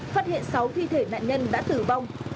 phát hiện sáu thi thể nạn nhân đã tử vong